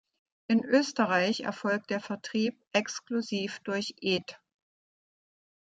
In Österreich erfolgt der Vertrieb exklusiv durch Ed.